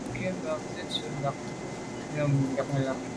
Ŋkrʉ̀n zə̃ bù à’ tsì bú bə́ á tà’ mbrò ŋkrʉ̀n nù nyɔ̌ŋ lá’.